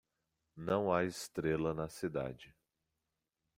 Não há estrela na cidade